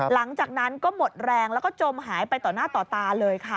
หลังจากนั้นก็หมดแรงแล้วก็จมหายไปต่อหน้าต่อตาเลยค่ะ